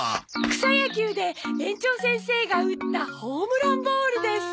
草野球で園長先生が打ったホームランボールです。